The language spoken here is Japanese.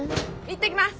行ってきます。